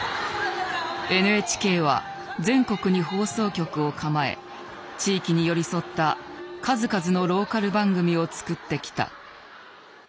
ＮＨＫは全国に放送局を構え地域に寄り添った数々のローカル番組を作ってきた。